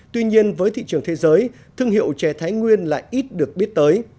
tuy nhiên với thị trường thế giới thương hiệu chè thái nguyên lại ít được biết tới